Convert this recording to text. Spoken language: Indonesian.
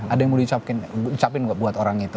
ada yang mau dicapin buat orang itu